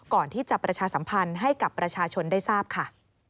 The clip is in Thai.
ประชาสัมพันธ์ให้กับประชาชนได้ทราบค่ะ